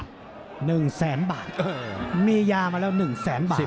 ๑แสนบาทมียามาแล้ว๑แสนบาท